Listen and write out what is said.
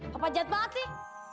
papa jahat banget sih